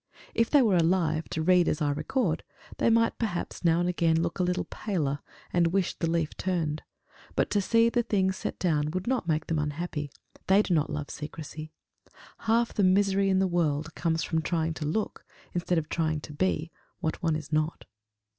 If they were alive to read as I record, they might perhaps now and again look a little paler and wish the leaf turned, but to see the things set down would not make them unhappy: they do not love secrecy. Half the misery in the world comes from trying to look, instead of trying to be, what one is not.